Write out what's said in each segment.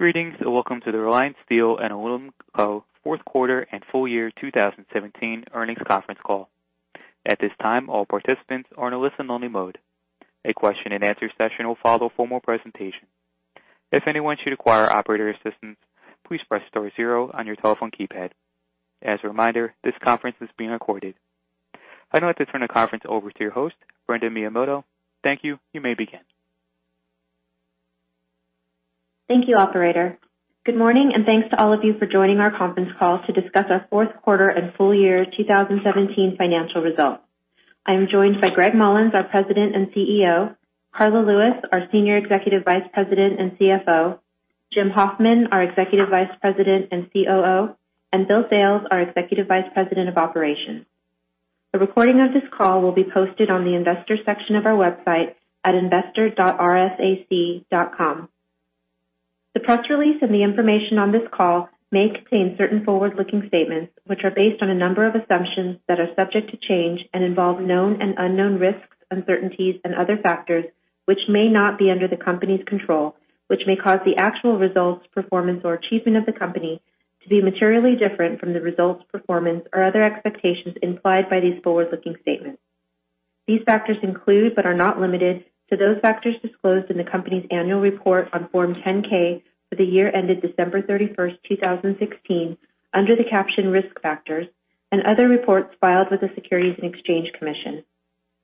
Greetings, welcome to the Reliance Steel & Aluminum fourth quarter and full-year 2017 earnings conference call. At this time, all participants are in a listen-only mode. A question-and-answer session will follow formal presentation. If anyone should require operator assistance, please press star zero on your telephone keypad. As a reminder, this conference is being recorded. I'd like to turn the conference over to your host, Brenda Miyamoto. Thank you. You may begin. Thank you, operator. Good morning, thanks to all of you for joining our conference call to discuss our fourth quarter and full year 2017 financial results. I am joined by Gregg Mollins, our President and CEO, Karla Lewis, our Senior Executive Vice President and CFO, Jim Hoffman, our Executive Vice President and COO, and Bill Sales, our Executive Vice President of Operations. The recording of this call will be posted on the investors section of our website at investor.rsac.com. The press release and the information on this call may contain certain forward-looking statements, which are based on a number of assumptions that are subject to change and involve known and unknown risks, uncertainties and other factors which may not be under the company's control, which may cause the actual results, performance, or achievement of the company to be materially different from the results, performance, or other expectations implied by these forward-looking statements. These factors include, but are not limited to those factors disclosed in the company's annual report on Form 10-K for the year ended December 31, 2016, under the caption Risk Factors and other reports filed with the Securities and Exchange Commission.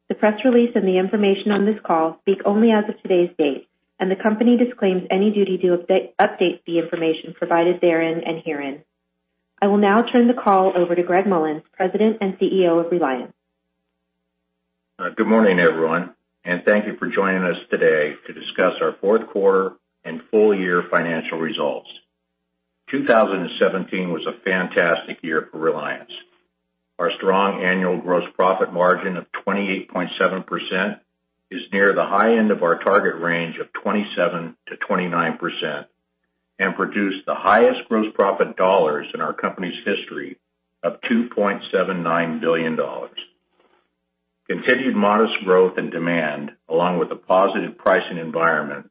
The press release and the information on this call speak only as of today's date, and the company disclaims any duty to update the information provided therein and herein. I will now turn the call over to Gregg Mollins, President and CEO of Reliance. Good morning, everyone, and thank you for joining us today to discuss our fourth quarter and full year financial results. 2017 was a fantastic year for Reliance. Our strong annual gross profit margin of 28.7% is near the high end of our target range of 27%-29%, and produced the highest gross profit dollars in our company's history of $2.79 billion. Continued modest growth and demand, along with a positive pricing environment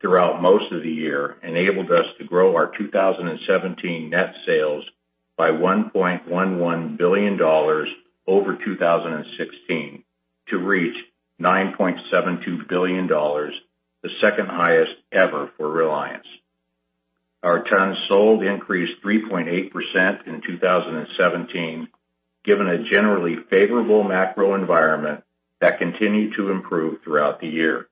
throughout most of the year, enabled us to grow our 2017 net sales by $1.11 billion over 2016 to reach $9.72 billion, the second highest ever for Reliance. Our tons sold increased 3.8% in 2017, given a generally favorable macro environment that continued to improve throughout the year.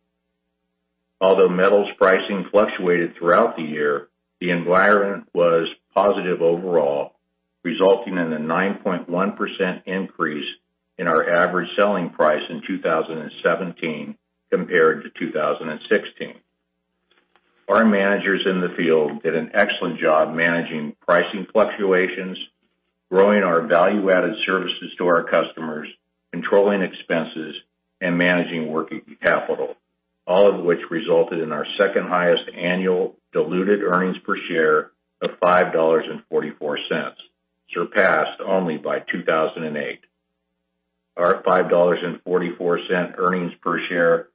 Although metals pricing fluctuated throughout the year, the environment was positive overall, resulting in a 9.1% increase in our average selling price in 2017 compared to 2016. Our managers in the field did an excellent job managing pricing fluctuations, growing our value-added services to our customers, controlling expenses, and managing working capital, all of which resulted in our second highest annual diluted earnings per share of $5.44, surpassed only by 2008. Our $5.44 earnings per share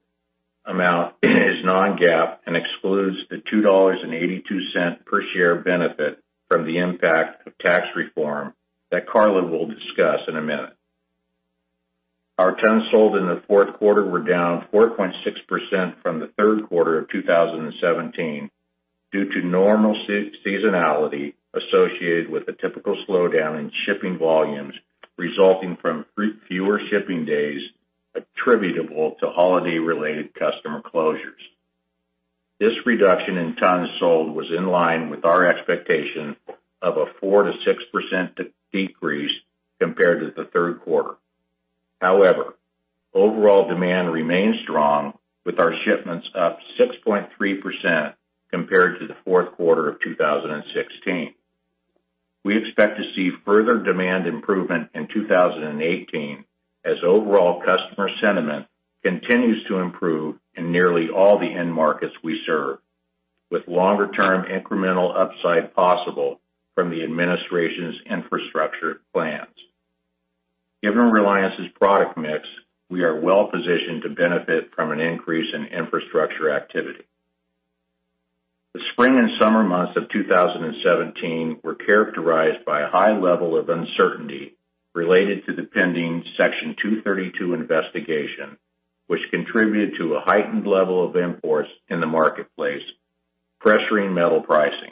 amount is non-GAAP and excludes the $2.82 per share benefit from the impact of Tax Reform that Karla will discuss in a minute. Our tons sold in the fourth quarter were down 4.6% from the third quarter of 2017 due to normal seasonality associated with a typical slowdown in shipping volumes resulting from fewer shipping days attributable to holiday-related customer closures. This reduction in tons sold was in line with our expectation of a 4%-6% decrease compared to the third quarter. Overall demand remained strong with our shipments up 6.3% compared to the fourth quarter of 2016. We expect to see further demand improvement in 2018 as overall customer sentiment continues to improve in nearly all the end markets we serve, with longer-term incremental upside possible from the administration's infrastructure plans. Given Reliance's product mix, we are well-positioned to benefit from an increase in infrastructure activity. The spring and summer months of 2017 were characterized by a high level of uncertainty related to the pending Section 232 investigation, which contributed to a heightened level of imports in the marketplace, pressuring metal pricing.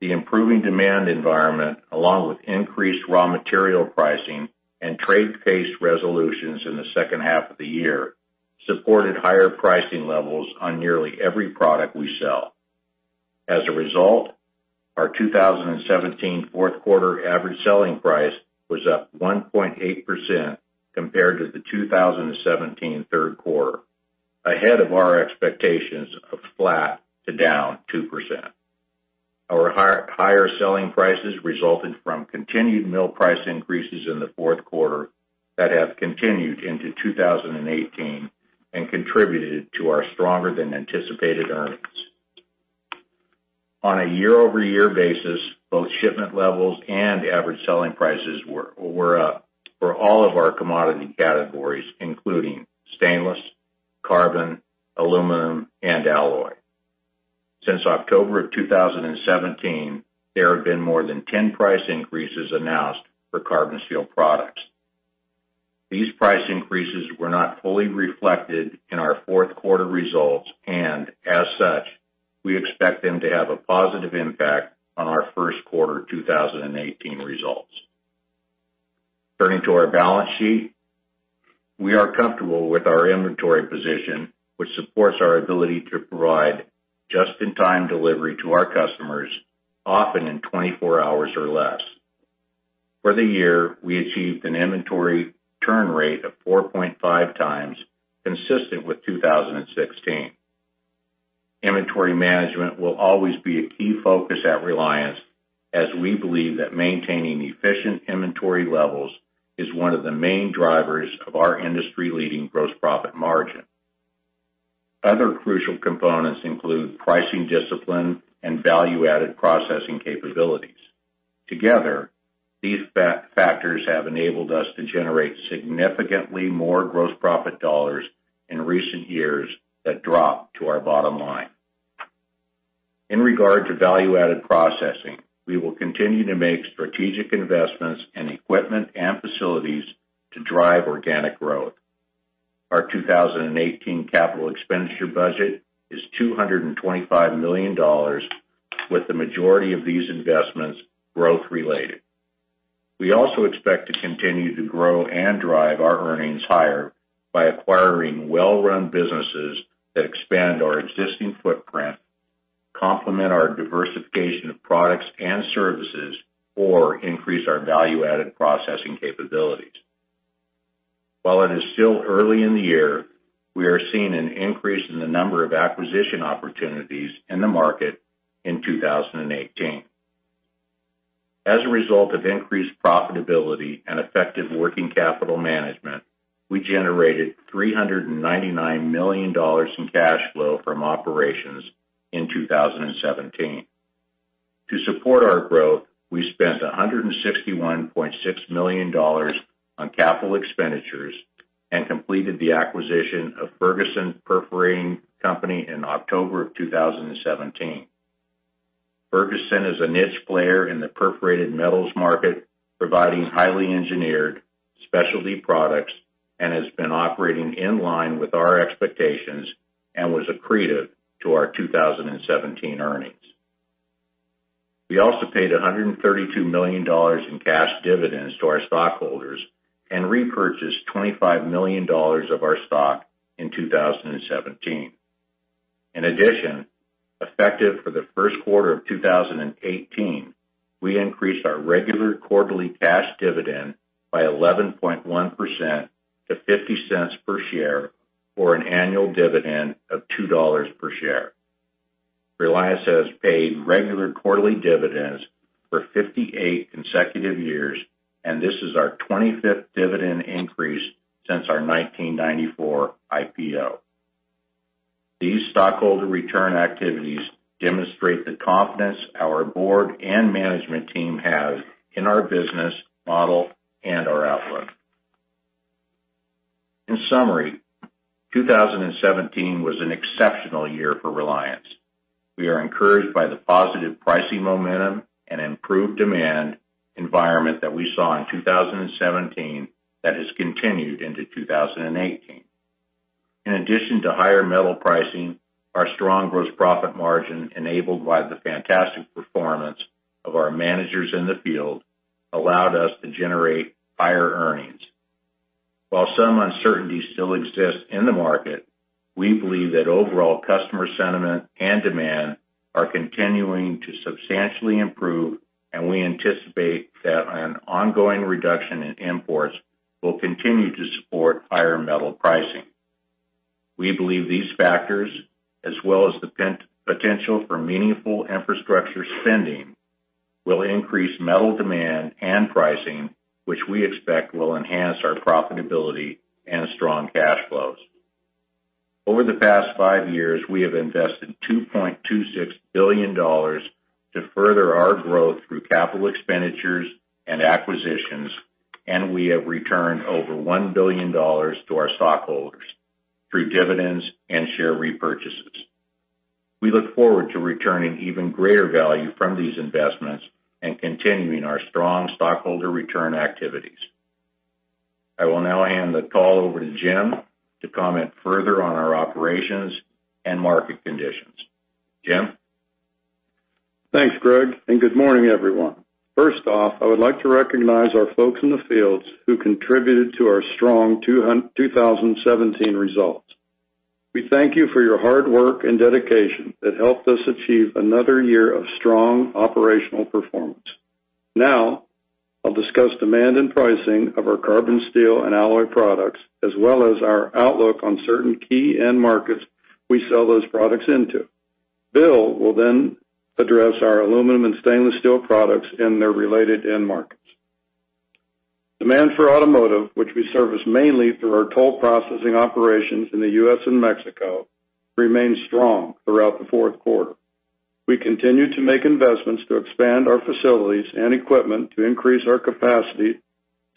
The improving demand environment, along with increased raw material pricing and trade-based resolutions in the second half of the year, supported higher pricing levels on nearly every product we sell. As a result, our 2017 fourth quarter average selling price was up 1.8% compared to the 2017 third quarter, ahead of our expectations of flat to down 2%. Our higher selling prices resulted from continued mill price increases in the fourth quarter that have continued into 2018 and contributed to our stronger than anticipated earnings. On a year-over-year basis, both shipment levels and average selling prices were up for all of our commodity categories, including stainless, carbon, aluminum, and alloy. Since October of 2017, there have been more than 10 price increases announced for carbon steel products. These price increases were not fully reflected in our fourth quarter results, and as such, we expect them to have a positive impact on our first quarter 2018 results. Turning to our balance sheet, we are comfortable with our inventory position, which supports our ability to provide just-in-time delivery to our customers, often in 24 hours or less. For the year, we achieved an inventory turn rate of 4.5 times, consistent with 2016. Inventory management will always be a key focus at Reliance as we believe that maintaining efficient inventory levels is one of the main drivers of our industry-leading gross profit margin. Other crucial components include pricing discipline and value-added processing capabilities. Together, these factors have enabled us to generate significantly more gross profit dollars in recent years that drop to our bottom line. In regard to value-added processing, we will continue to make strategic investments in equipment and facilities to drive organic growth. Our 2018 capital expenditure budget is $225 million, with the majority of these investments growth-related. We also expect to continue to grow and drive our earnings higher by acquiring well-run businesses that expand our existing footprint, complement our diversification of products and services, or increase our value-added processing capabilities. While it is still early in the year, we are seeing an increase in the number of acquisition opportunities in the market in 2018. As a result of increased profitability and effective working capital management, we generated $399 million in cash flow from operations in 2017. To support our growth, we spent $161.6 million on capital expenditures and completed the acquisition of Ferguson Perforating Company in October of 2017. Ferguson is a niche player in the perforated metals market, providing highly engineered specialty products and has been operating in line with our expectations and was accretive to our 2017 earnings. We also paid $132 million in cash dividends to our stockholders and repurchased $25 million of our stock in 2017. In addition, effective for the first quarter of 2018, we increased our regular quarterly cash dividend by 11.1% to $0.50 per share or an annual dividend of $2 per share. Reliance has paid regular quarterly dividends for 58 consecutive years, and this is our 25th dividend increase since our 1994 IPO. These stockholder return activities demonstrate the confidence our board and management team have in our business model and our outlook. In summary, 2017 was an exceptional year for Reliance. We are encouraged by the positive pricing momentum and improved demand environment that we saw in 2017 that has continued into 2018. In addition to higher metal pricing, our strong gross profit margin, enabled by the fantastic performance of our managers in the field, allowed us to generate higher earnings. While some uncertainty still exists in the market, we believe that overall customer sentiment and demand are continuing to substantially improve. We anticipate that an ongoing reduction in imports will continue to support higher metal pricing. We believe these factors, as well as the potential for meaningful infrastructure spending, will increase metal demand and pricing, which we expect will enhance our profitability and strong cash flows. Over the past five years, we have invested $2.26 billion to further our growth through capital expenditures and acquisitions. We have returned over $1 billion to our stockholders through dividends and share repurchases. We look forward to returning even greater value from these investments and continuing our strong stockholder return activities. I will now hand the call over to Jim to comment further on our operations and market conditions. Jim? Thanks, Gregg, and good morning, everyone. First off, I would like to recognize our folks in the fields who contributed to our strong 2017 results. We thank you for your hard work and dedication that helped us achieve another year of strong operational performance. Now, I'll discuss demand and pricing of our carbon steel and alloy products, as well as our outlook on certain key end markets we sell those products into. Bill will then address our aluminum and stainless steel products and their related end markets. Demand for automotive, which we service mainly through our toll processing operations in the U.S. and Mexico, remained strong throughout the fourth quarter. We continue to make investments to expand our facilities and equipment to increase our capacity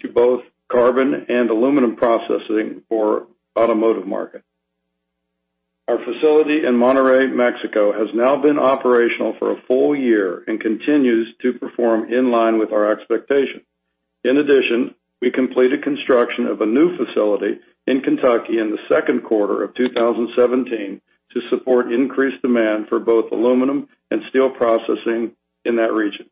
to both carbon and aluminum processing for automotive market. Our facility in Monterrey, Mexico, has now been operational for a full year and continues to perform in line with our expectations. In addition, we completed construction of a new facility in Kentucky in the second quarter of 2017 to support increased demand for both aluminum and steel processing in that region.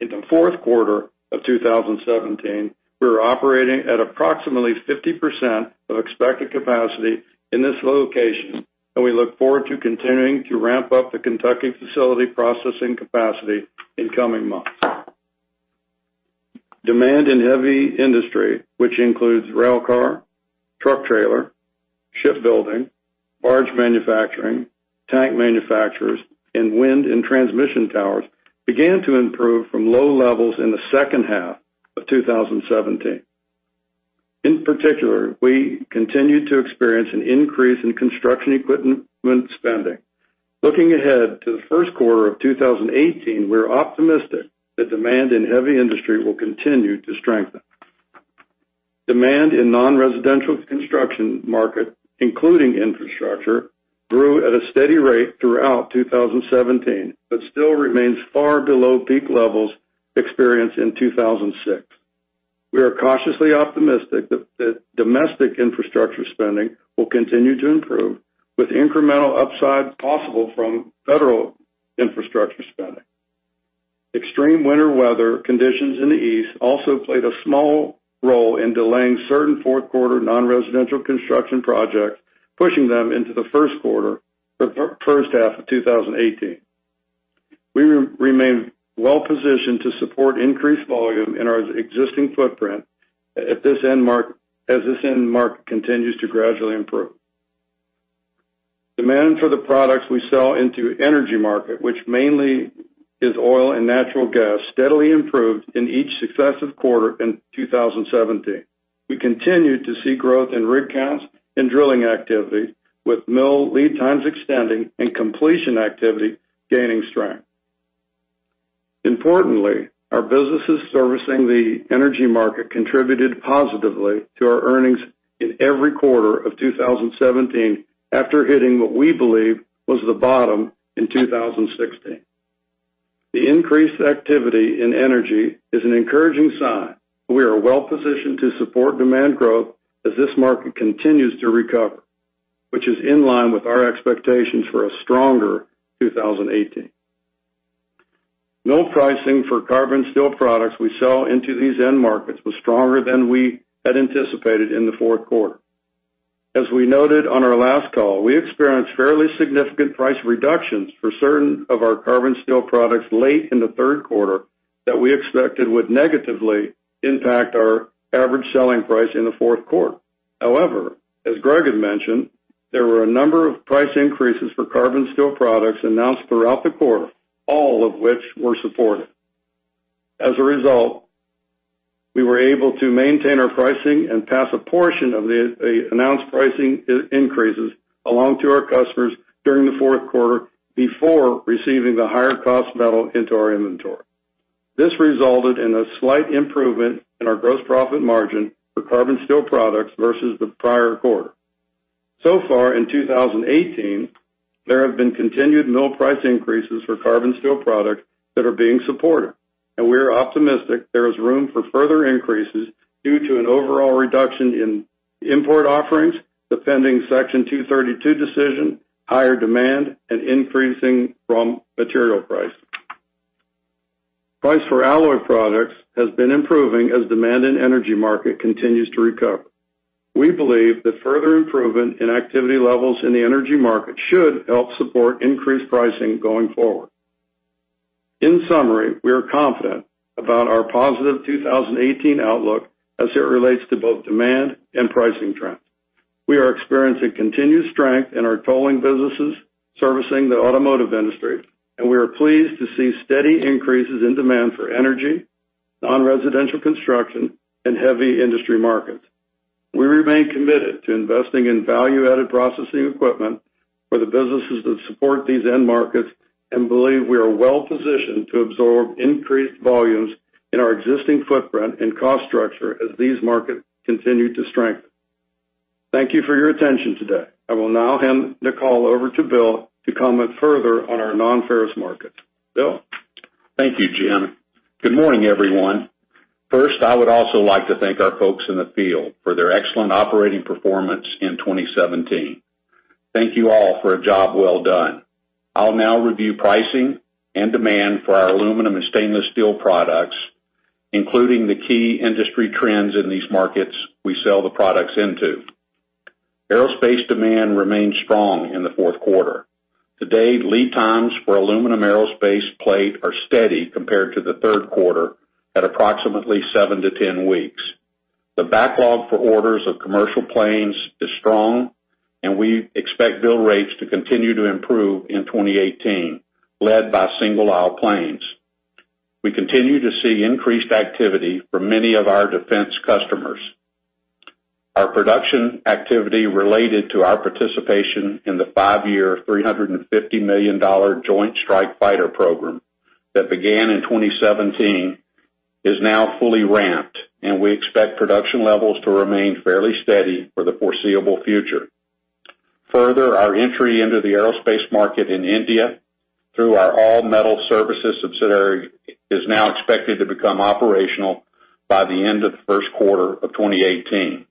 In the fourth quarter of 2017, we were operating at approximately 50% of expected capacity in this location, and we look forward to continuing to ramp up the Kentucky facility processing capacity in coming months. Demand in heavy industry, which includes railcar, truck trailer, shipbuilding, barge manufacturing, tank manufacturers, and wind and transmission towers, began to improve from low levels in the second half of 2017. In particular, we continued to experience an increase in construction equipment spending. Looking ahead to the first quarter of 2018, we're optimistic that demand in heavy industry will continue to strengthen. Demand in non-residential construction market, including infrastructure, grew at a steady rate throughout 2017, still remains far below peak levels experienced in 2006. We are cautiously optimistic that domestic infrastructure spending will continue to improve, with incremental upside possible from federal infrastructure spending. Extreme winter weather conditions in the east also played a small role in delaying certain fourth quarter non-residential construction projects, pushing them into the first half of 2018. We remain well-positioned to support increased volume in our existing footprint as this end market continues to gradually improve. Demand for the products we sell into energy market, which mainly is oil and natural gas, steadily improved in each successive quarter in 2017. We continued to see growth in rig counts and drilling activity, with mill lead times extending and completion activity gaining strength. Importantly, our businesses servicing the energy market contributed positively to our earnings in every quarter of 2017, after hitting what we believe was the bottom in 2016. The increased activity in energy is an encouraging sign. We are well-positioned to support demand growth as this market continues to recover, which is in line with our expectations for a stronger 2018. Mill pricing for carbon steel products we sell into these end markets was stronger than we had anticipated in the fourth quarter. As we noted on our last call, we experienced fairly significant price reductions for certain of our carbon steel products late in the third quarter that we expected would negatively impact our average selling price in the fourth quarter. However, as Gregg had mentioned, there were a number of price increases for carbon steel products announced throughout the quarter, all of which were supported. As a result, we were able to maintain our pricing and pass a portion of the announced pricing increases along to our customers during the fourth quarter before receiving the higher cost metal into our inventory. This resulted in a slight improvement in our gross profit margin for carbon steel products versus the prior quarter. So far in 2018, there have been continued mill price increases for carbon steel products that are being supported, and we are optimistic there is room for further increases due to an overall reduction in import offerings, the pending Section 232 decision, higher demand, and increasing raw material price. Price for alloy products has been improving as demand in energy market continues to recover. We believe that further improvement in activity levels in the energy market should help support increased pricing going forward. In summary, we are confident about our positive 2018 outlook as it relates to both demand and pricing trends. We are experiencing continued strength in our tolling businesses servicing the automotive industry. We are pleased to see steady increases in demand for energy, non-residential construction, and heavy industry markets. We remain committed to investing in value-added processing equipment for the businesses that support these end markets and believe we are well-positioned to absorb increased volumes in our existing footprint and cost structure as these markets continue to strengthen. Thank you for your attention today. I will now hand the call over to Bill to comment further on our non-ferrous markets. Bill? Thank you, Jim. Good morning, everyone. First, I would also like to thank our folks in the field for their excellent operating performance in 2017. Thank you all for a job well done. I'll now review pricing and demand for our aluminum and stainless steel products, including the key industry trends in these markets we sell the products into. Aerospace demand remained strong in the fourth quarter. To date, lead times for aluminum aerospace plate are steady compared to the third quarter at approximately seven to 10 weeks. The backlog for orders of commercial planes is strong. We expect build rates to continue to improve in 2018, led by single-aisle planes. We continue to see increased activity from many of our defense customers. Our production activity related to our participation in the five-year, $350 million Joint Strike Fighter program that began in 2017 is now fully ramped. We expect production levels to remain fairly steady for the foreseeable future. Further, our entry into the aerospace market in India, through our All Metal Services subsidiary, is now expected to become operational by the end of the first quarter of 2018.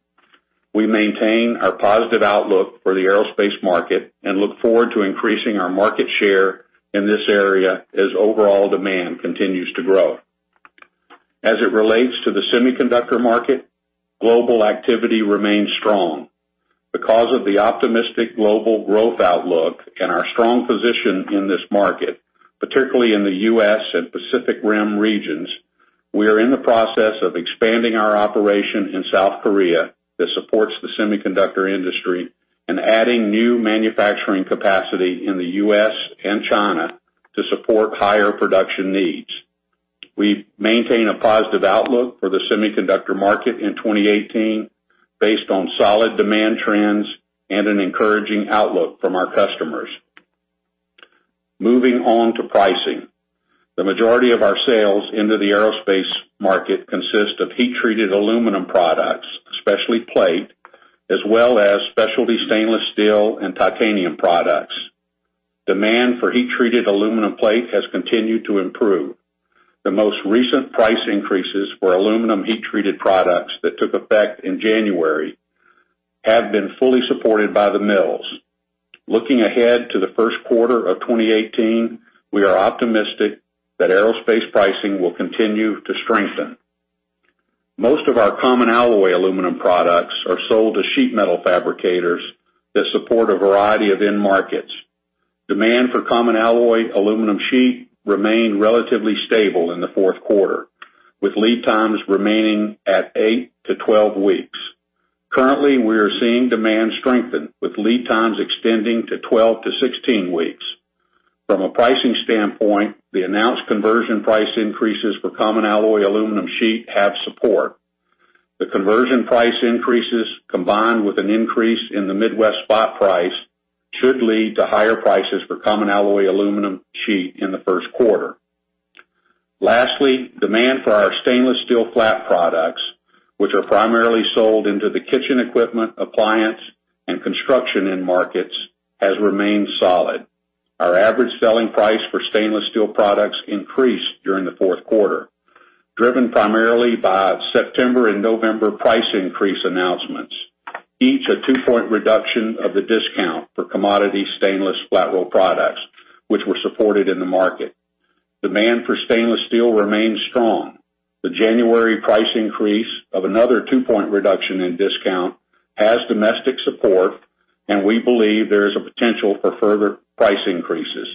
We maintain our positive outlook for the aerospace market and look forward to increasing our market share in this area as overall demand continues to grow. As it relates to the semiconductor market, global activity remains strong. Because of the optimistic global growth outlook and our strong position in this market, particularly in the U.S. and Pacific Rim regions, we are in the process of expanding our operation in South Korea that supports the semiconductor industry, and adding new manufacturing capacity in the U.S. and China to support higher production needs. We maintain a positive outlook for the semiconductor market in 2018 based on solid demand trends and an encouraging outlook from our customers. Moving on to pricing. The majority of our sales into the aerospace market consist of heat treated aluminum products, especially plate, as well as specialty stainless steel and titanium products. Demand for heat treated aluminum plate has continued to improve. The most recent price increases for aluminum heat treated products that took effect in January have been fully supported by the mills. Looking ahead to the first quarter of 2018, we are optimistic that aerospace pricing will continue to strengthen. Most of our common alloy aluminum products are sold to sheet metal fabricators that support a variety of end markets. Demand for common alloy aluminum sheet remained relatively stable in the fourth quarter, with lead times remaining at eight to 12 weeks. Currently, we are seeing demand strengthen, with lead times extending to 12 to 16 weeks. From a pricing standpoint, the announced conversion price increases for common alloy aluminum sheet have support. The conversion price increases, combined with an increase in the Midwest spot price, should lead to higher prices for common alloy aluminum sheet in the first quarter. Lastly, demand for our stainless steel flat products, which are primarily sold into the kitchen equipment, appliance, and construction end markets, has remained solid. Our average selling price for stainless steel products increased during the fourth quarter, driven primarily by September and November price increase announcements. Each a two-point reduction of the discount for commodity stainless flat roll products, which were supported in the market. Demand for stainless steel remains strong. The January price increase of another two-point reduction in discount has domestic support, and we believe there is a potential for further price increases.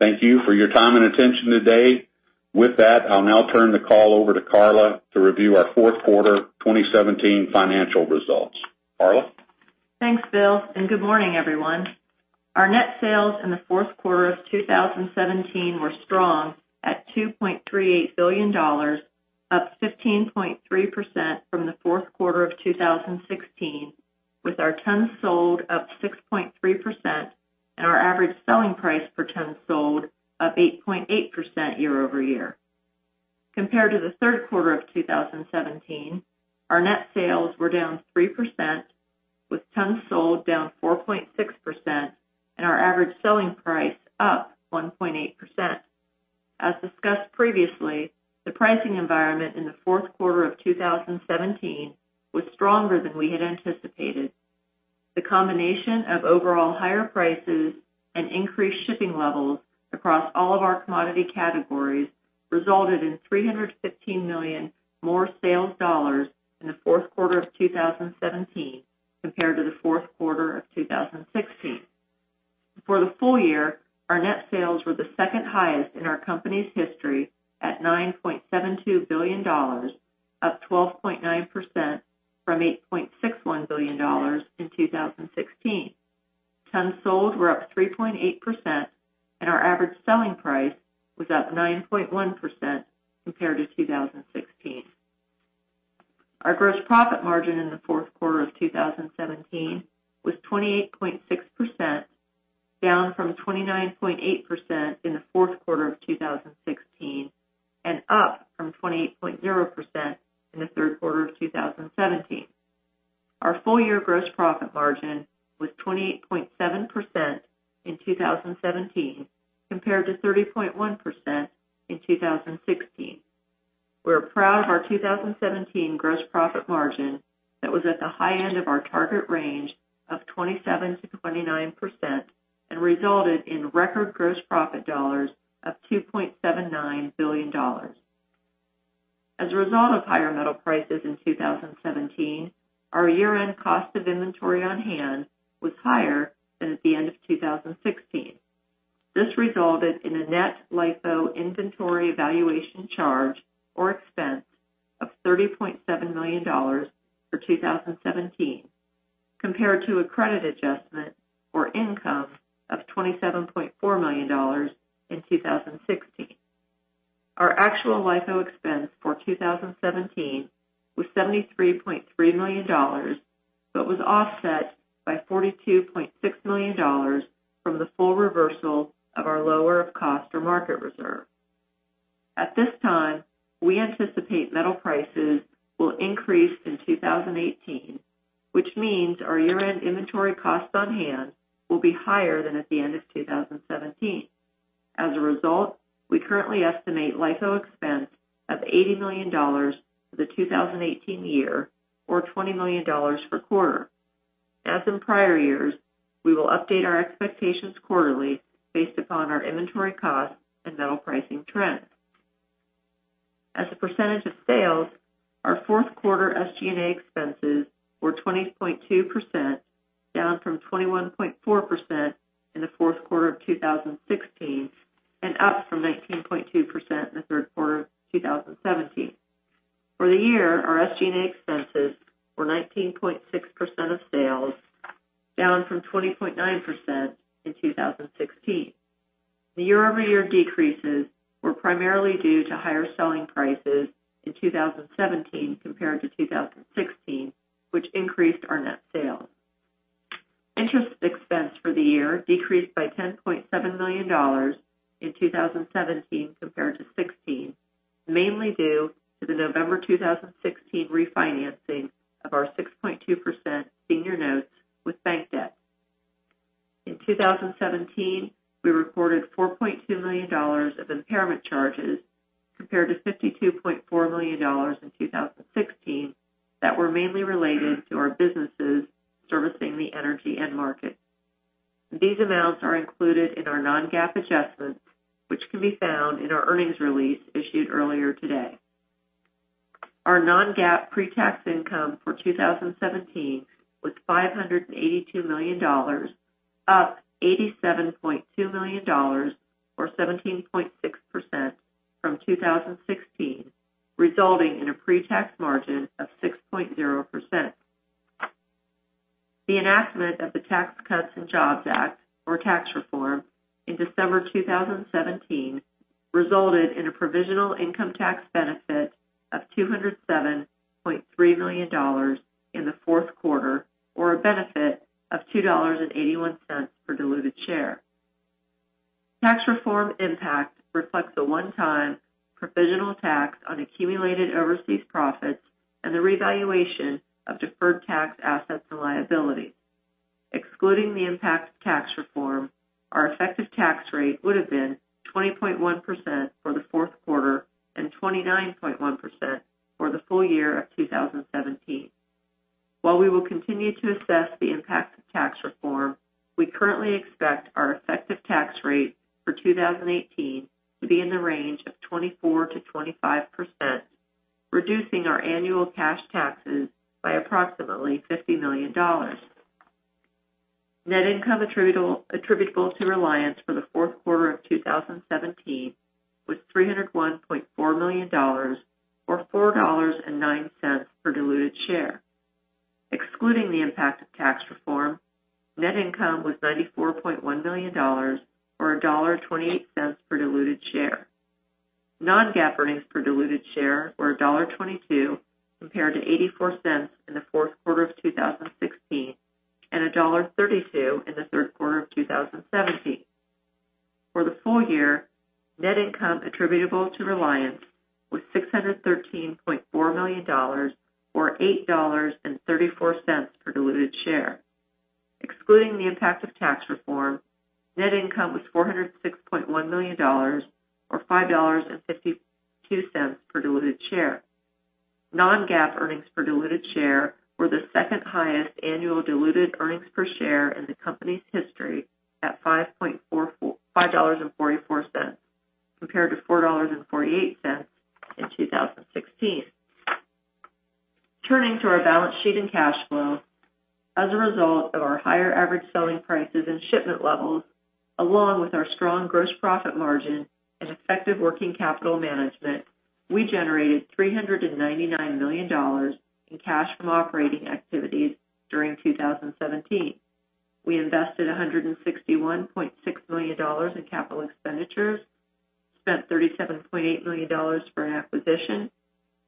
Thank you for your time and attention today. With that, I'll now turn the call over to Karla to review our fourth quarter 2017 financial results. Karla? Thanks, Bill. Good morning, everyone. Our net sales in the fourth quarter of 2017 were strong at $2.38 billion, up 15.3% from the fourth quarter of 2016, with our tons sold up 6.3% and our average selling price per ton sold up 8.8% year-over-year. Compared to the third quarter of 2017, our net sales were down 3%, with tons sold down 4.6% and our average selling price up 1.8%. As discussed previously, the pricing environment in the fourth quarter of 2017 was stronger than we had anticipated. The combination of overall higher prices and increased shipping levels across all of our commodity categories resulted in $315 million more sales dollars in the fourth quarter of 2017 compared to the fourth quarter of 2016. For the full year, our net sales were the second highest in our company's history at $9.72 billion, up 12.9% from $8.61 billion in 2016. Tons sold were up 3.8%, and our average selling price was up 9.1% compared to 2016. Our gross profit margin in the fourth quarter of 2017 was 28.6%, down from 29.8% in the fourth quarter of 2016, and up from 28.0% in the third quarter of 2017. Our full year gross profit margin was 28.7% in 2017, compared to 30.1% in 2016. We're proud of our 2017 gross profit margin that was at the high end of our target range of 27%-29% and resulted in record gross profit dollars of $2.79 billion. As a result of higher metal prices in 2017, our year-end cost of inventory on hand was higher than at the end of 2016. This resulted in a net LIFO inventory valuation charge or expense $30.7 million for 2017 compared to a credit adjustment or income of $27.4 million in 2016. Our actual LIFO expense for 2017 was $73.3 million, was offset by $42.6 million from the full reversal of our lower of cost or market reserve. At this time, we anticipate metal prices will increase in 2018, which means our year-end inventory costs on hand will be higher than at the end of 2017. As a result, we currently estimate LIFO expense of $80 million for the 2018 year, or $20 million per quarter. As in prior years, we will update our expectations quarterly based upon our inventory costs and metal pricing trends. As a percentage of sales, our fourth quarter SG&A expenses were 20.2%, down from 21.4% in the fourth quarter of 2016 and up from 19.2% in the third quarter of 2017. For the year, our SG&A expenses were 19.6% of sales, down from 20.9% in 2016. The year-over-year decreases were primarily due to higher selling prices in 2017 compared to 2016, which increased our net sales. Interest expense for the year decreased by $10.7 million in 2017 compared to 2016, mainly due to the November 2016 refinancing of our 6.2% senior notes with bank debt. In 2017, we reported $4.2 million of impairment charges, compared to $52.4 million in 2016, that were mainly related to our businesses servicing the energy end market. These amounts are included in our non-GAAP adjustments, which can be found in our earnings release issued earlier today. Our non-GAAP pre-tax income for 2017 was $582 million, up $87.2 million, or 17.6%, from 2016, resulting in a pre-tax margin of 6.0%. The enactment of the Tax Cuts and Jobs Act, or tax reform, in December 2017 resulted in a provisional income tax benefit of $207.3 million in the fourth quarter, or a benefit of $2.81 per diluted share. Tax reform impact reflects a one-time provisional tax on accumulated overseas profits and the revaluation of deferred tax assets and liability. Excluding the impact of tax reform, our effective tax rate would have been 20.1% for the fourth quarter and 29.1% for the full year of 2017. While we will continue to assess the impact of tax reform, we currently expect our effective tax rate for 2018 to be in the range of 24%-25%, reducing our annual cash taxes by approximately $50 million. Net income attributable to Reliance for the fourth quarter of 2017 was $301.4 million, or $4.09 per diluted share. Excluding the impact of tax reform, net income was $94.1 million, or $1.28 per diluted share. Non-GAAP earnings per diluted share were $1.22 compared to $0.84 in the fourth quarter of 2016 and $1.32 in the third quarter of 2017. For the full year, net income attributable to Reliance was $613.4 million, or $8.34 per diluted share. Excluding the impact of tax reform, net income was $406.1 million, or $5.52 per diluted share. Non-GAAP earnings per diluted share were the second highest annual diluted earnings per share in the company's history at $5.44 compared to $4.48 in 2016. Turning to our balance sheet and cash flow, as a result of our higher average selling prices and shipment levels, along with our strong gross profit margin and effective working capital management, we generated $399 million in cash from operating activities during 2017. We invested $161.6 million in capital expenditures, spent $37.8 million for an acquisition,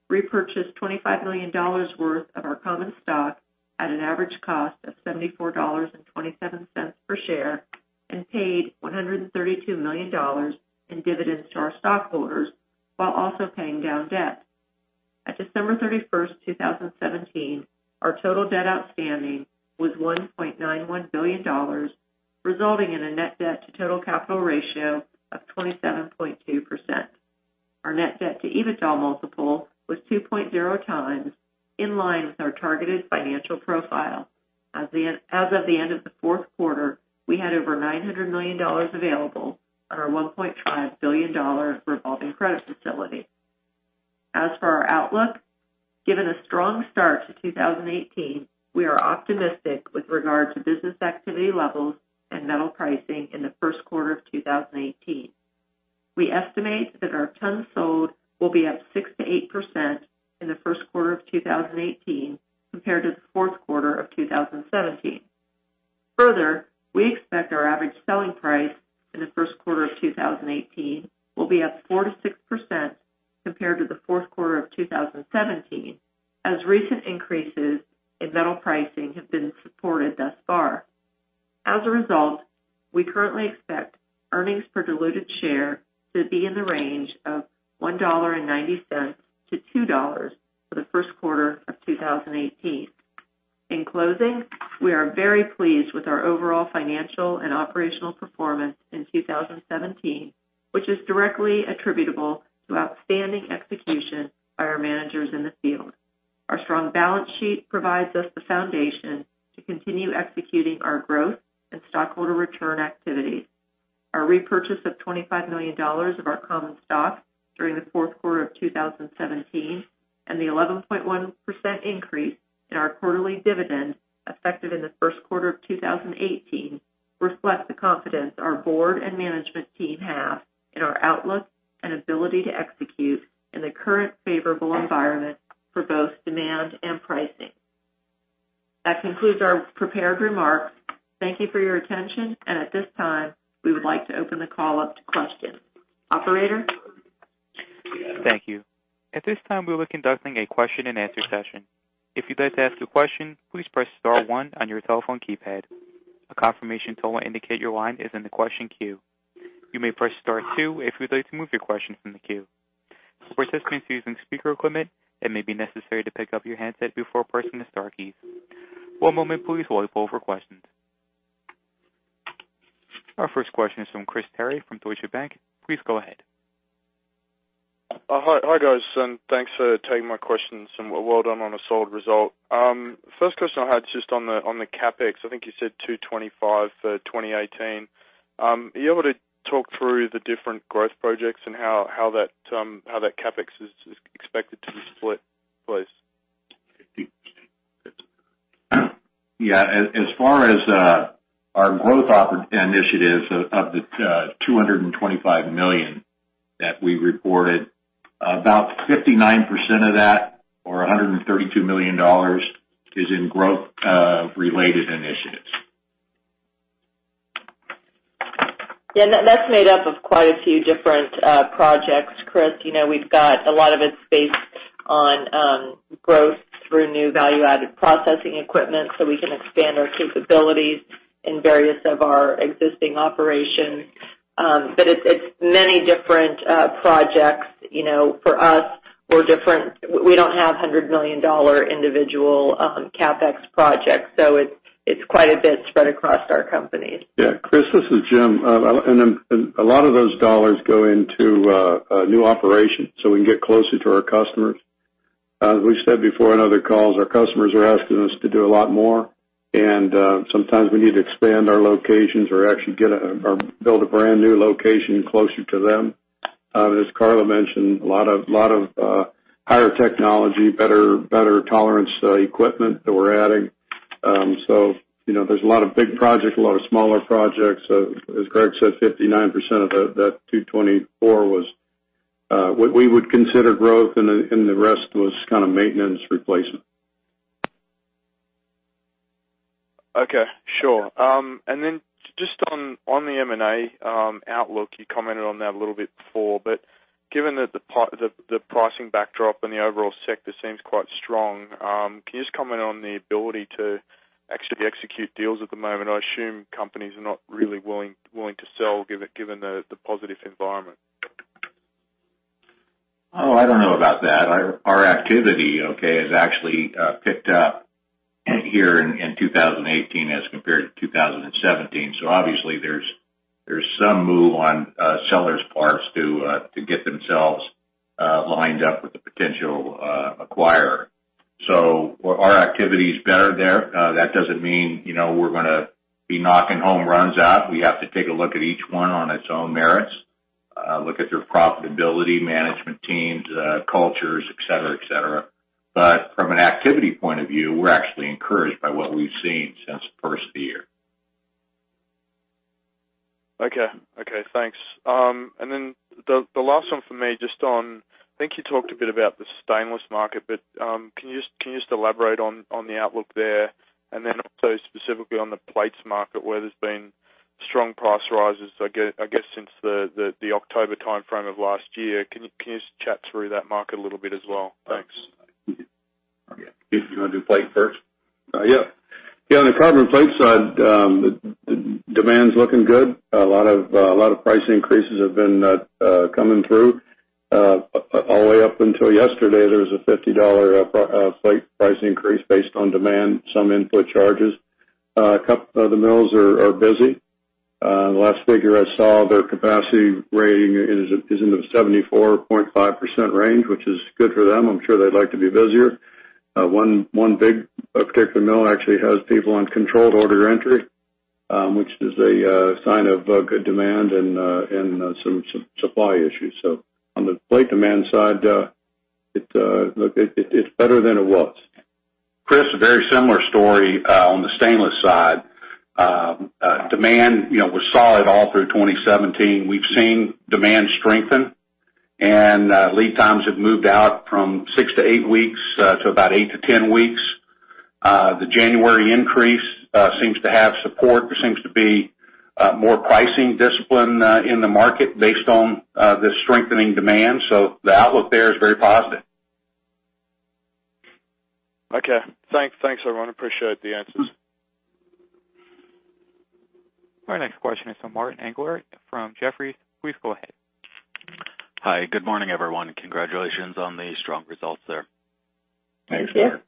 repurchased $25 million worth of our common stock at an average cost of $74.27 per share, and paid $132 million in dividends to our stockholders while also paying down debt. At December 31st, 2017, our total debt outstanding was $1.91 billion, resulting in a net debt to total capital ratio of 27.2%. Our net debt to EBITDA multiple was 2.0 times, in line with our targeted financial profile. As of the end of the fourth quarter, we had over $900 million available on our $1.5 billion revolving credit facility. As for our outlook, given a strong start to 2018, we are optimistic with regard to business activity levels and metal pricing in the first quarter of 2018. We estimate that our tons sold will be up 6%-8% in the first quarter of 2018 compared to the fourth quarter of 2017. Further, we expect our average selling price in the first quarter of 2018 will be up 4%-6% compared to the fourth quarter of 2017, as recent increases in metal pricing have been supported thus far. As a result, we currently expect earnings per diluted share to be in the range of $1.90-$2 for the first quarter of 2018. In closing, we are very pleased with our overall financial and operational performance in 2017, which is directly attributable to outstanding execution by our managers in the field. Our strong balance sheet provides us the foundation to continue executing our growth and stockholder return activities. Our repurchase of $25 million of our common stock during the fourth quarter of 2017 and the 11.1% increase in our quarterly dividend, effective in the first quarter of 2018, reflect the confidence our board and management team have in our outlook and ability to execute in the current favorable environment for both demand and pricing. That concludes our prepared remarks. Thank you for your attention. At this time, we would like to open the call up to questions. Operator? Thank you. At this time, we will be conducting a question and answer session. If you'd like to ask a question, please press star one on your telephone keypad. A confirmation tone will indicate your line is in the question queue. You may press star two if you'd like to move your question from the queue. For participants using speaker equipment, it may be necessary to pick up your handset before pressing the star keys. One moment please, while we pull for questions. Our first question is from Chris Perry from Deutsche Bank. Please go ahead. Hi, guys. Thanks for taking my questions. Well done on a solid result. First question I had is just on the CapEx. I think you said $225 million for 2018. Are you able to talk through the different growth projects and how that CapEx is expected to be split, please? Yeah. As far as our growth initiatives, of the $225 million that we reported, about 59% of that, or $132 million, is in growth-related initiatives. Yeah, that's made up of quite a few different projects, Chris. A lot of it's based on growth through new value-added processing equipment so we can expand our capabilities in various of our existing operations. It's many different projects. For us, we don't have $100 million individual CapEx projects. It's quite a bit spread across our company. Chris, this is Jim. A lot of those dollars go into a new operation so we can get closer to our customers. As we've said before on other calls, our customers are asking us to do a lot more, sometimes we need to expand our locations or actually build a brand-new location closer to them. As Karla mentioned, a lot of higher technology, better tolerance equipment that we're adding. There's a lot of big projects, a lot of smaller projects. As Gregg said, 59% of that $224 was what we would consider growth, the rest was kind of maintenance replacement. Okay, sure. Just on the M&A outlook, you commented on that a little bit before, but given that the pricing backdrop and the overall sector seems quite strong, can you just comment on the ability to actually execute deals at the moment? I assume companies are not really willing to sell, given the positive environment. I don't know about that. Our activity has actually picked up here in 2018 as compared to 2017. Obviously there's some move on sellers' parts to get themselves lined up with a potential acquirer. Our activity is better there. That doesn't mean we're going to be knocking home runs out. We have to take a look at each one on its own merits, look at their profitability, management teams, cultures, et cetera. From an activity point of view, we're actually encouraged by what we've seen since the first of the year. Okay. Thanks. The last one for me, I think you talked a bit about the stainless market, can you just elaborate on the outlook there? Also specifically on the plates market where there's been strong price rises, I guess since the October timeframe of last year. Can you just chat through that market a little bit as well? Thanks. Okay. Keith, do you want to do plate first? Yeah. On the carbon plate side, demand's looking good. A lot of price increases have been coming through. All the way up until yesterday, there was a $50 plate price increase based on demand, some input charges. A couple of the mills are busy. The last figure I saw, their capacity rating is in the 74.5% range, which is good for them. I'm sure they'd like to be busier. One big particular mill actually has people on controlled order entry, which is a sign of good demand and some supply issues. On the plate demand side, it's better than it was. Chris, a very similar story on the stainless side. Demand was solid all through 2017. We've seen demand strengthen, and lead times have moved out from six to eight weeks to about eight to 10 weeks. The January increase seems to have support. There seems to be more pricing discipline in the market based on the strengthening demand. The outlook there is very positive. Okay. Thanks everyone. Appreciate the answers. Our next question is from Martin Englert from Jefferies. Please go ahead. Hi. Good morning, everyone. Congratulations on the strong results there. Thanks, Martin.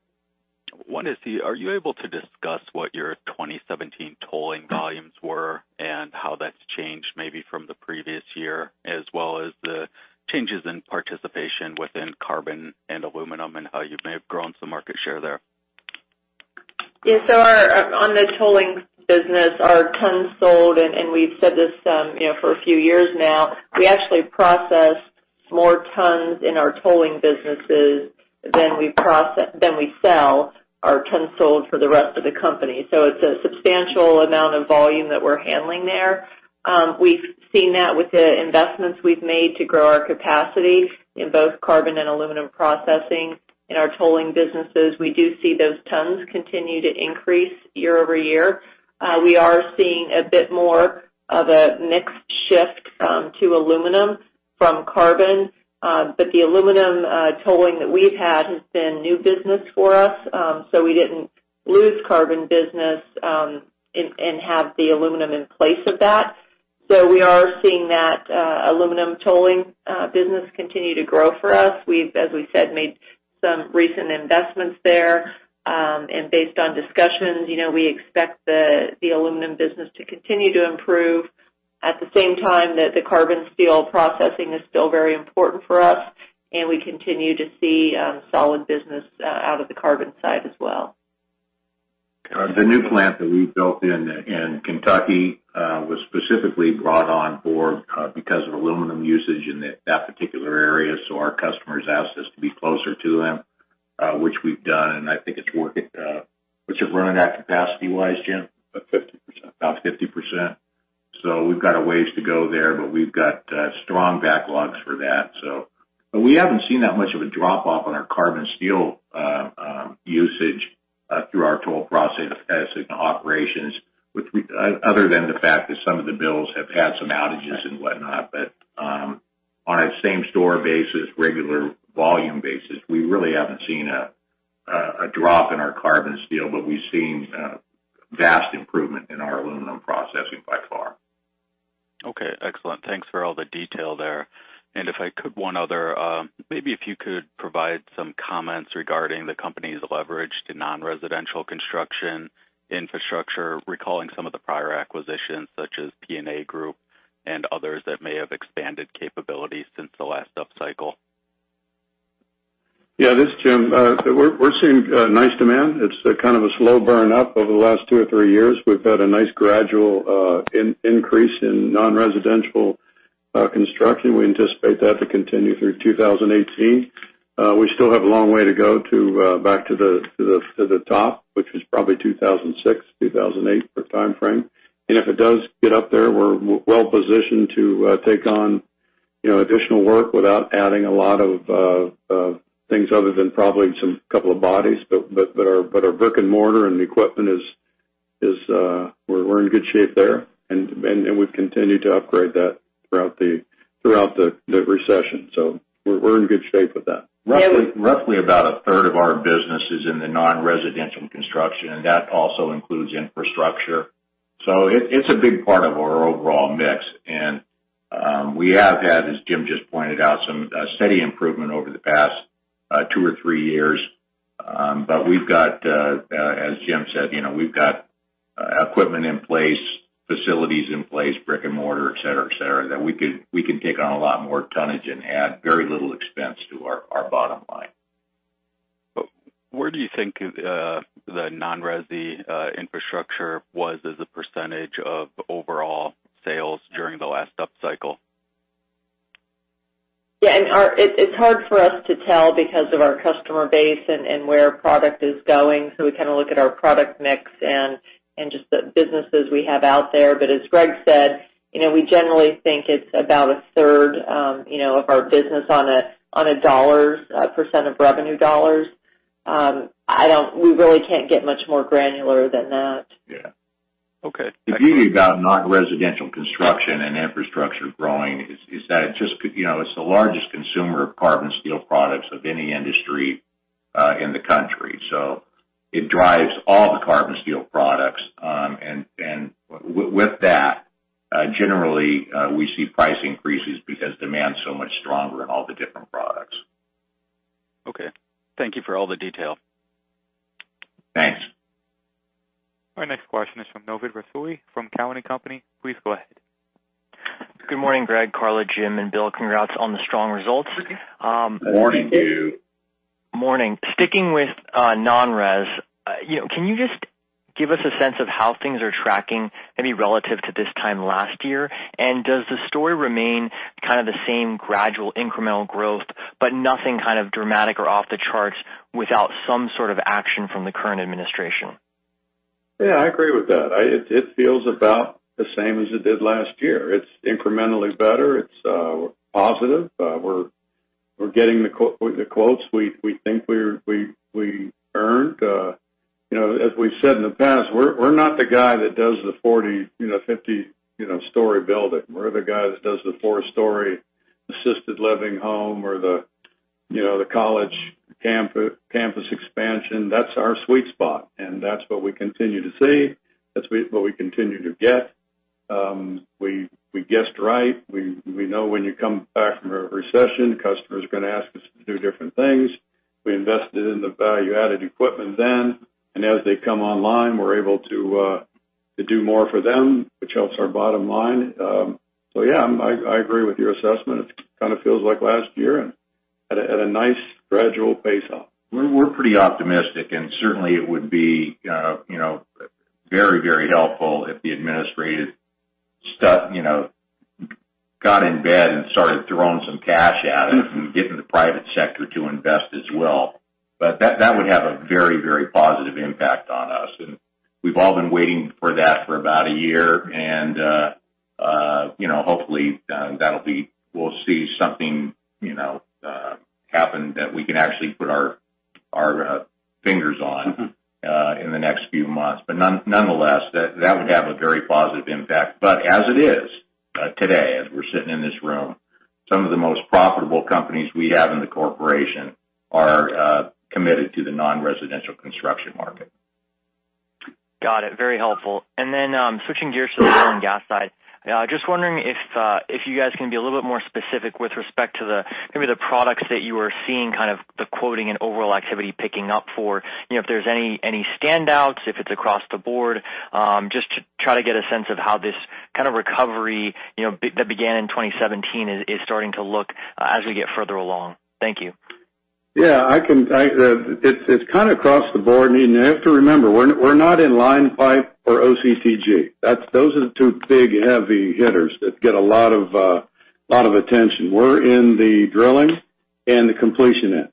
Are you able to discuss what your 2017 tolling volumes were and how that's changed maybe from the previous year, as well as the changes in participation within carbon and aluminum, and how you may have grown some market share there? Yeah. On the tolling business, our tons sold, and we've said this for a few years now, we actually process more tons in our tolling businesses than we sell our tons sold for the rest of the company. It's a substantial amount of volume that we're handling there. We've seen that with the investments we've made to grow our capacity in both carbon and aluminum processing. In our tolling businesses, we do see those tons continue to increase year over year. We are seeing a bit more of a mix shift from to aluminum from carbon. The aluminum tolling that we've had has been new business for us. We didn't lose carbon business, and have the aluminum in place of that. We are seeing that aluminum tolling business continue to grow for us. We've, as we said, made some recent investments there. Based on discussions, we expect the aluminum business to continue to improve. At the same time that the carbon steel processing is still very important for us, and we continue to see solid business out of the carbon side as well. The new plant that we've built in Kentucky, was specifically brought on board because of aluminum usage in that particular area. Our customers asked us to be closer to them, which we've done, and I think it's working. What's it running at capacity-wise, Jim? About 50%. About 50%. We've got a ways to go there, but we've got strong backlogs for that. We haven't seen that much of a drop-off on our carbon steel usage through our toll processing operations, other than the fact that some of the mills have had some outages and whatnot. On a same store basis, regular volume basis, we really haven't seen a drop in our carbon steel. We've seen a vast improvement in our aluminum processing by far. Okay, excellent. Thanks for all the detail there. If I could, one other. Maybe if you could provide some comments regarding the company's leverage to non-residential construction infrastructure, recalling some of the prior acquisitions such as PNA Group and others that may have expanded capabilities since the last upcycle. Yeah, this is Jim. We're seeing nice demand. It's kind of a slow burn up over the last two or three years. We've had a nice gradual increase in non-residential construction. We anticipate that to continue through 2018. We still have a long way to go back to the top, which was probably 2006, 2008 for timeframe. If it does get up there, we're well-positioned to take on additional work without adding a lot of things other than probably a couple of bodies. Our brick and mortar and equipment is, we're in good shape there. We've continued to upgrade that throughout the recession. We're in good shape with that. Roughly about a third of our business is in the non-residential construction, and that also includes infrastructure. It's a big part of our overall mix. We have had, as Jim just pointed out, some steady improvement over the past two or three years. We've got, as Jim said, we've got equipment in place, facilities in place, brick and mortar, et cetera, et cetera, that we can take on a lot more tonnage and add very little expense to our bottom line. where do you think the non-resi infrastructure was as a % of overall sales during the last upcycle? Yeah. It's hard for us to tell because of our customer base and where product is going. We kind of look at our product mix and just the businesses we have out there. As Gregg said, we generally think it's about a third of our business on a dollar, % of revenue dollars. We really can't get much more granular than that. Yeah. Okay. The beauty about non-residential construction and infrastructure growing is that it's the largest consumer of carbon steel products of any industry in the country. It drives all the carbon steel products. With that, generally, we see price increases because demand's so much stronger in all the different products. Okay. Thank you for all the detail. Thanks. Our next question is from Novid Rassouli from Cowen and Company. Please go ahead. Good morning, Gregg, Karla, Jim, and Bill. Congrats on the strong results. Morning to you. Morning. Sticking with non-res, can you just give us a sense of how things are tracking, maybe relative to this time last year. Does the story remain kind of the same gradual incremental growth, but nothing kind of dramatic or off the charts without some sort of action from the current administration? Yeah, I agree with that. It feels about the same as it did last year. It is incrementally better. We are positive. We are getting the quotes we think we earned. As we have said in the past, we are not the guy that does the 40, 50-story building. We are the guy that does the four-story assisted living home or the college campus expansion. That is our sweet spot, and that is what we continue to see. That is what we continue to get. We guessed right. We know when you come back from a recession, customers are going to ask us to do different things. We invested in the value-added equipment then, and as they come online, we are able to do more for them, which helps our bottom line. Yeah, I agree with your assessment. It kind of feels like last year and at a nice gradual pace up. We are pretty optimistic, and certainly, it would be very helpful if the administration got in bed and started throwing some cash at it and getting the private sector to invest as well. That would have a very positive impact on us, and we have all been waiting for that for about a year, and hopefully, we will see something happen that we can actually put our fingers on in the next few months. Nonetheless, that would have a very positive impact. As it is today, as we are sitting in this room, some of the most profitable companies we have in the corporation are committed to the non-residential construction market. Got it. Very helpful. Then switching gears to the oil and gas side. Just wondering if you guys can be a little bit more specific with respect to maybe the products that you are seeing kind of the quoting and overall activity picking up for. If there is any standouts, if it is across the board, just to try to get a sense of how this kind of recovery that began in 2017 is starting to look as we get further along. Thank you. Yeah, it is kind of across the board. You have to remember, we are not in line pipe or OCTG. Those are the two big, heavy hitters that get a lot of attention. We are in the drilling and the completion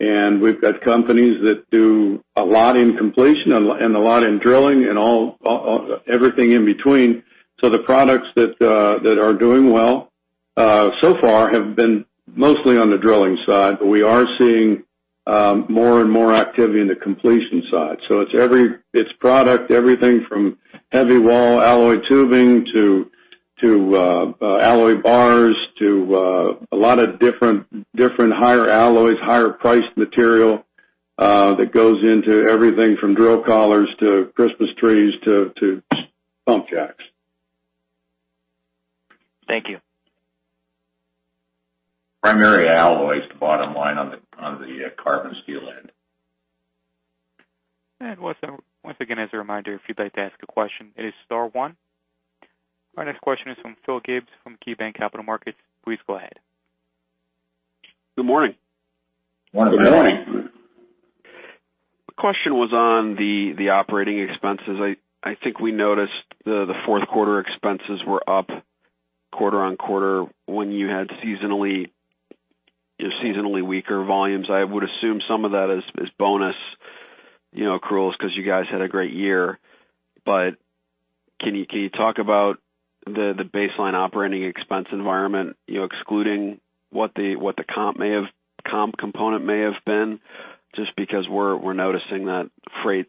end. We have got companies that do a lot in completion and a lot in drilling and everything in between. The products that are doing well so far have been mostly on the drilling side, but we are seeing more and more activity in the completion side. It is product, everything from heavy-wall alloy tubing to alloy bars to a lot of different higher alloys, higher priced material that goes into everything from drill collars to Christmas trees to pump jacks. Thank you. Primary alloy is the bottom line on the carbon steel end. Once again, as a reminder, if you'd like to ask a question, it is star one. Our next question is from Phil Gibbs from KeyBanc Capital Markets. Please go ahead. Good morning. Morning. Good morning. The question was on the operating expenses. I think we noticed the fourth quarter expenses were up quarter-on-quarter when you had seasonally weaker volumes. I would assume some of that is bonus accruals because you guys had a great year. Can you talk about the baseline operating expense environment, excluding what the comp component may have been? Just because we're noticing that freight,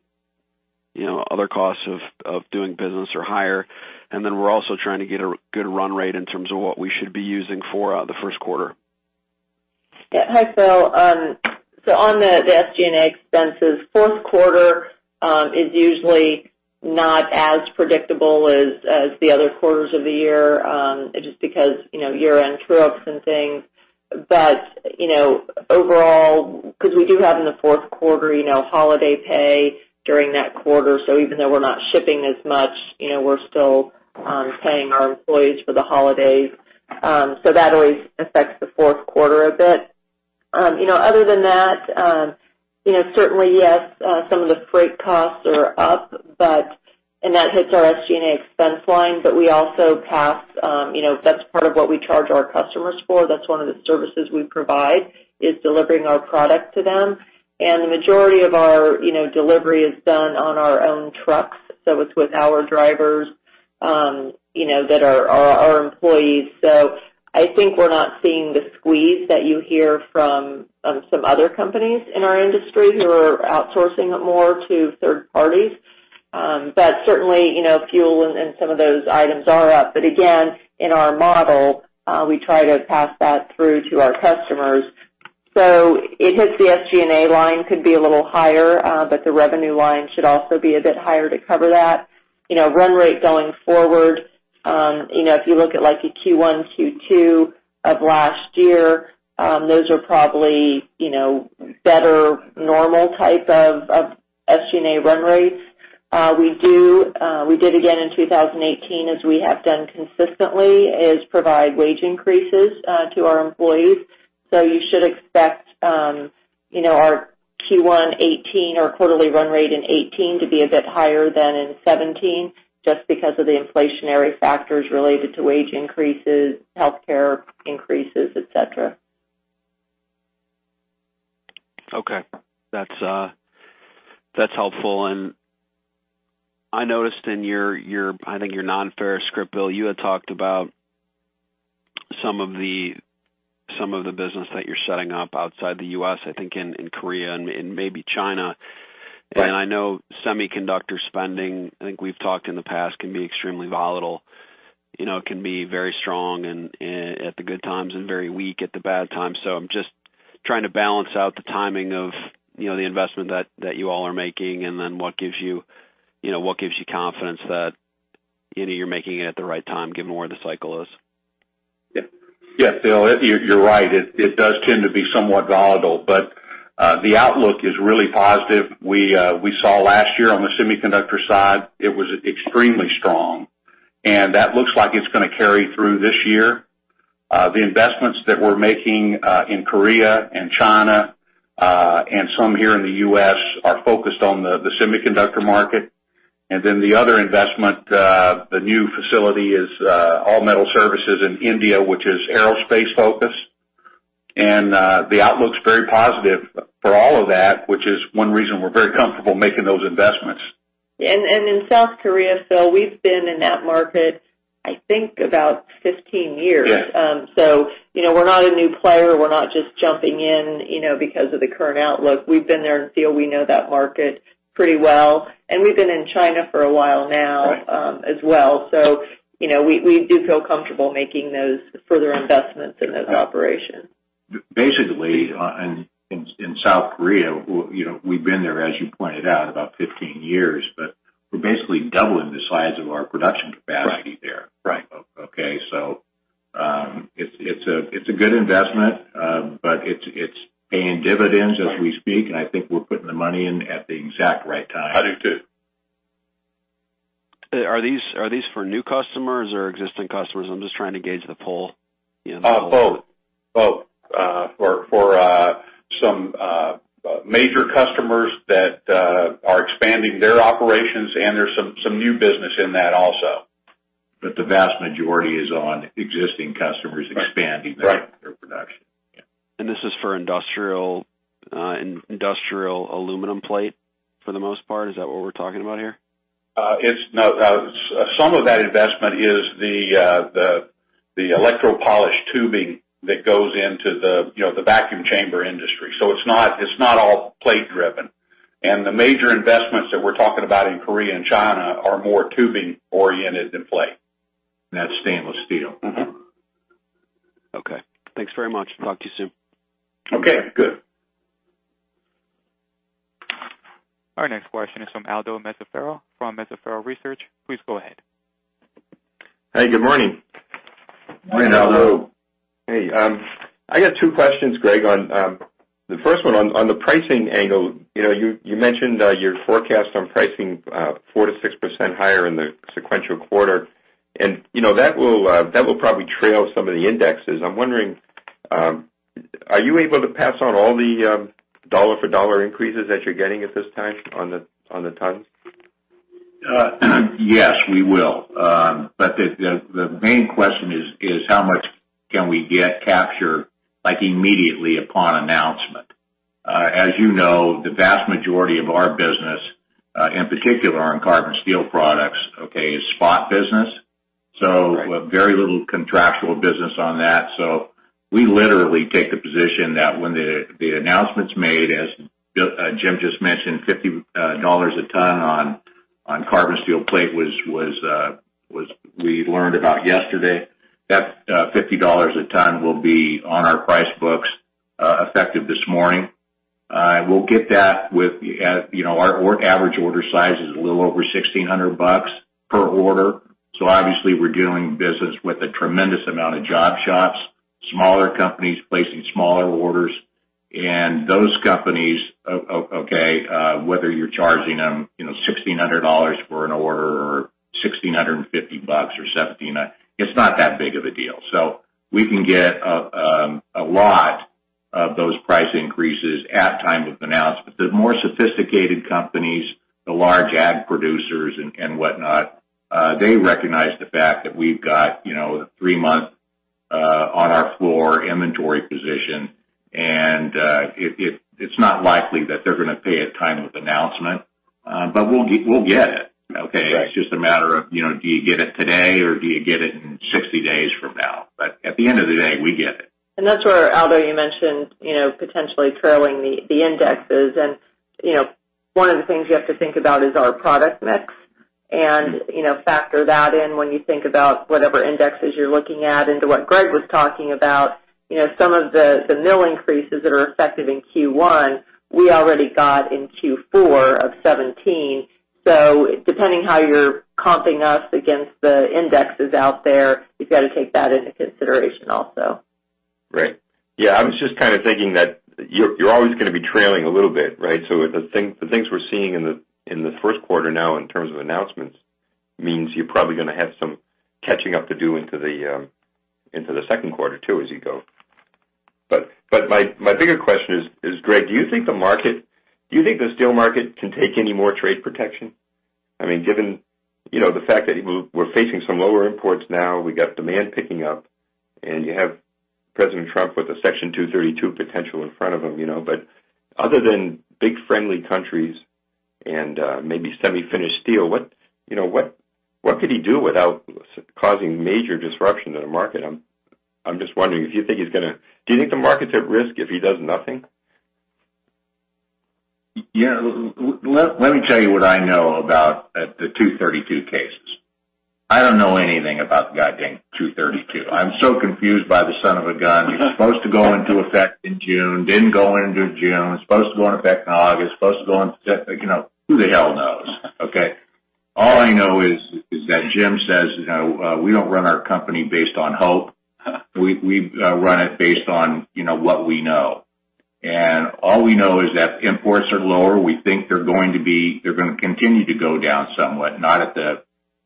other costs of doing business are higher. We're also trying to get a good run rate in terms of what we should be using for the first quarter. Hi, Phil. On the SG&A expenses, fourth quarter is usually not as predictable as the other quarters of the year, just because year-end trips and things. Overall, because we do have in the fourth quarter holiday pay during that quarter, even though we're not shipping as much, we're still paying our employees for the holidays. That always affects the fourth quarter a bit. Other than that, certainly, yes, some of the freight costs are up, and that hits our SG&A expense line, but we also pass That's part of what we charge our customers for. That's one of the services we provide, is delivering our product to them. The majority of our delivery is done on our own trucks, so it's with our drivers that are our employees. I think we're not seeing the squeeze that you hear from some other companies in our industry who are outsourcing it more to third parties. Certainly, fuel and some of those items are up. Again, in our model, we try to pass that through to our customers. It hits the SG&A line, could be a little higher, but the revenue line should also be a bit higher to cover that. Run rate going forward, if you look at like a Q1, Q2 of last year, those are probably better normal type of SG&A run rates. We did again in 2018, as we have done consistently, is provide wage increases to our employees. You should expect our Q1 2018 or quarterly run rate in 2018 to be a bit higher than in 2017, just because of the inflationary factors related to wage increases, healthcare increases, et cetera. Okay. That's helpful. I noticed in your, I think your non-GAAP script, Bill, you had talked about some of the business that you're setting up outside the U.S., I think in Korea and maybe China. Right. I know semiconductor spending, I think we've talked in the past, can be extremely volatile. It can be very strong at the good times and very weak at the bad times. I'm just trying to balance out the timing of the investment that you all are making and then what gives you confidence that you're making it at the right time, given where the cycle is. Yes, Phil, you're right. It does tend to be somewhat volatile, but the outlook is really positive. We saw last year on the semiconductor side, it was extremely strong, and that looks like it's going to carry through this year. The investments that we're making in Korea and China, and some here in the U.S. are focused on the semiconductor market. Then the other investment, the new facility is All Metal Services in India, which is aerospace-focused. The outlook's very positive for all of that, which is one reason we're very comfortable making those investments. In South Korea, Bill, we've been in that market, I think about 15 years. Yes. We're not a new player. We're not just jumping in because of the current outlook. We've been there, and Bill, we know that market pretty well, and we've been in China for a while now. Right as well. We do feel comfortable making those further investments in those operations. Basically, in South Korea, we've been there, as you pointed out, about 15 years, but we're basically doubling the size of our production capacity there. Right. Okay? It's a good investment. It's paying dividends as we speak, and I think we're putting the money in at the exact right time. I do, too. Are these for new customers or existing customers? I'm just trying to gauge the poll. Both. For some major customers that are expanding their operations, there's some new business in that also. The vast majority is on existing customers expanding. Right Their production. This is for industrial aluminum plate for the most part? Is that what we're talking about here? Some of that investment is the electropolished tubing that goes into the vacuum chamber industry. It's not all plate driven. The major investments that we're talking about in Korea and China are more tubing oriented than plate. That's stainless steel. Okay. Thanks very much. Talk to you soon. Okay, good. Our next question is from Aldo Mazzaferro from Mazzaferro Research. Please go ahead. Hey, good morning. Good morning, Aldo. Hey, Aldo. Hey. I got two questions, Gregg. The first one on the pricing angle. You mentioned your forecast on pricing, 4%-6% higher in the sequential quarter. That will probably trail some of the indexes. I'm wondering, are you able to pass on all the dollar for dollar increases that you're getting at this time on the tons? Yes, we will. The main question is how much can we get captured, like immediately upon announcement? As you know, the vast majority of our business, in particular on carbon steel products, okay, is spot business. Right. Very little contractual business on that. We literally take the position that when the announcement's made, as Jim Hoffman just mentioned, $50 a ton on carbon steel plate we learned about yesterday. That $50 a ton will be on our price books, effective this morning. We'll get that with-- Our average order size is a little over $1,600 per order. Obviously, we're doing business with a tremendous amount of job shops, smaller companies placing smaller orders. Those companies, okay, whether you're charging them $1,600 for an order or $1,650 or $17, it's not that big of a deal. We can get a lot of those price increases at time of announcement. The more sophisticated companies, the large aerospace producers and whatnot, they recognize the fact that we've got three months on our floor inventory position, and it's not likely that they're gonna pay at time of announcement. We'll get it, okay? Right. It's just a matter of, do you get it today or do you get it in 60 days from now? At the end of the day, we get it. That's where Aldo Mazzaferro, you mentioned, potentially trailing the indexes and one of the things you have to think about is our product mix and factor that in when you think about whatever indexes you're looking at into what Gregg Mollins was talking about. Some of the mill increases that are effective in Q1, we already got in Q4 of 2017. Depending how you're comping us against the indexes out there, you've got to take that into consideration also. Right. Yeah, I was just kind of thinking that you're always gonna be trailing a little bit, right? The things we're seeing in the first quarter now in terms of announcements means you're probably gonna have some catching up to do into the second quarter too, as you go. My bigger question is, Gregg, do you think the steel market can take any more trade protection? Given the fact that we're facing some lower imports now, we got demand picking up, and you have President Trump with a Section 232 potential in front of him. Other than big friendly countries and maybe semi-finished steel, what could he do without causing major disruption in the market? I'm just wondering if you think he's going to. Do you think the market's at risk if he does nothing? Yeah. Let me tell you what I know about the 232 cases. I don't know anything about the goddamn 232. I'm so confused by the son of a gun. It's supposed to go into effect in June, didn't go into June. It's supposed to go into effect in August. Who the hell knows? Okay. All I know is that Jim says, we don't run our company based on hope. We run it based on what we know. All we know is that imports are lower. We think they're going to continue to go down somewhat, not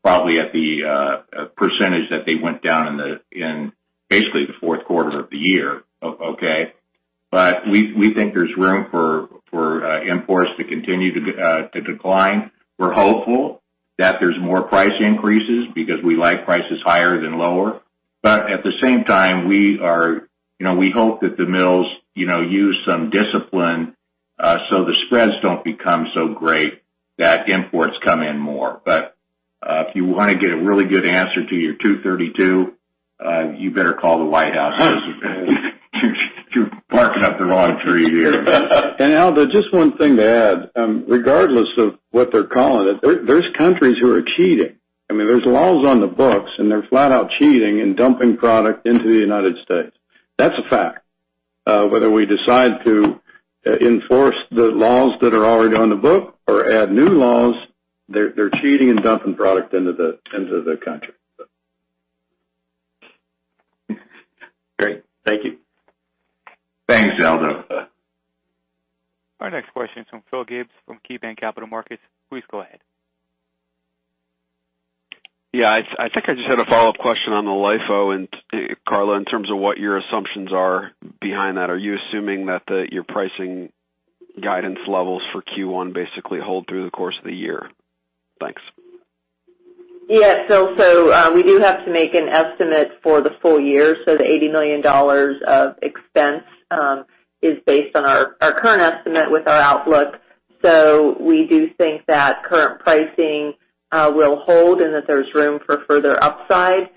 probably at the percentage that they went down in, basically, the fourth quarter of the year. Okay. We think there's room for imports to continue to decline. We're hopeful that there's more price increases because we like prices higher than lower. At the same time, we hope that the mills use some discipline, so the spreads don't become so great that imports come in more. If you want to get a really good answer to your 232, you better call the White House. You're barking up the wrong tree here. Aldo Mazzaferro, just one thing to add. Regardless of what they're calling it, there's countries who are cheating. There are laws on the books, and they're flat out cheating and dumping product into the United States. That's a fact. Whether we decide to enforce the laws that are already on the book or add new laws, they're cheating and dumping product into the country. Great. Thank you. Thanks, Aldo Mazzaferro. Our next question is from Phil Gibbs of KeyBanc Capital Markets. Please go ahead. Yeah. I think I just had a follow-up question on the LIFO. Karla, in terms of what your assumptions are behind that, are you assuming that your pricing guidance levels for Q1 basically hold through the course of the year? Thanks. Yeah, Phil. We do have to make an estimate for the full year. The $80 million of expense is based on our current estimate with our outlook. We do think that current pricing will hold and that there's room for further upside.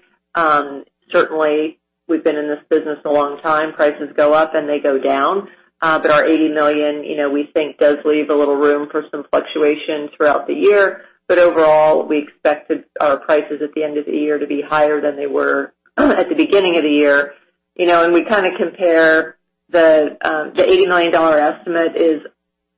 Certainly, we've been in this business a long time. Prices go up, and they go down. Our $80 million, we think, does leave a little room for some fluctuation throughout the year. Overall, we expect our prices at the end of the year to be higher than they were at the beginning of the year. We kind of compare the $80 million estimate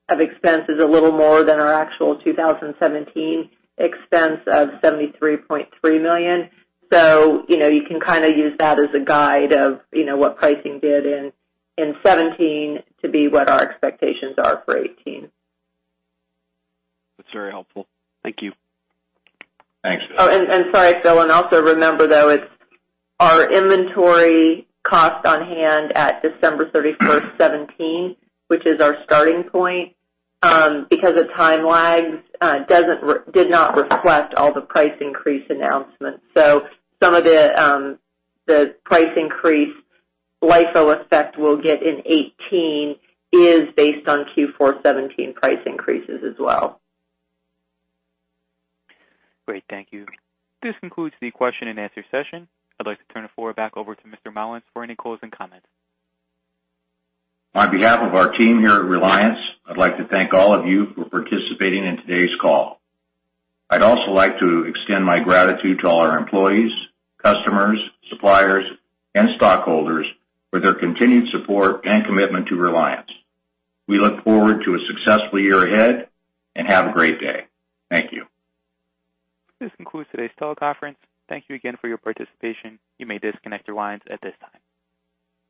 of expense is a little more than our actual 2017 expense of $73.3 million. You can kind of use that as a guide of what pricing did in 2017 to be what our expectations are for 2018. That's very helpful. Thank you. Thanks. Oh, sorry, Phil. Also remember, though, our inventory cost on hand at December 31st, 2017, which is our starting point, because of time lags, did not reflect all the price increase announcements. Some of the price increase LIFO effect we'll get in 2018 is based on Q4 2017 price increases as well. Great. Thank you. This concludes the question and answer session. I'd like to turn the floor back over to Mr. Mollins for any closing comments. On behalf of our team here at Reliance, I'd like to thank all of you for participating in today's call. I'd also like to extend my gratitude to all our employees, customers, suppliers, and stockholders for their continued support and commitment to Reliance. We look forward to a successful year ahead. Have a great day. Thank you. This concludes today's teleconference. Thank you again for your participation. You may disconnect your lines at this time.